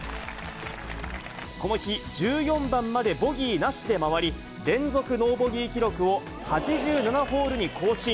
この日、１４番までボギーなしで回り、連続ノーボギー記録を８７ホールに更新。